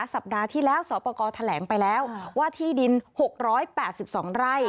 สัปดาห์ที่แล้วสอบประกอบแถลงไปแล้วว่าที่ดิน๖๘๒ไร่